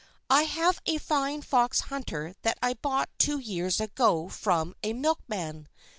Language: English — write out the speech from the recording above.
I have a fine fox hunter that I bought two years ago from a milk man.